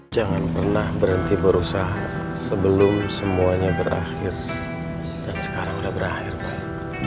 jangan pernah berhenti berusaha sebelum semuanya berakhir dan sekarang sudah berakhir baik